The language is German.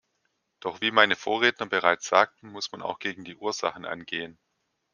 Doch wie meine Vorredner bereits sagten, muss man auch gegen die Ursachen angehen.